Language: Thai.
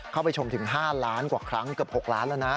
เข้าไปชมถึง๕ล้านกว่าครั้งเกือบ๖ล้านแล้วนะ